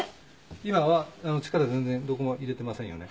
今は力全然どこも入れてませんよね？